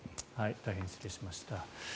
大変失礼しました。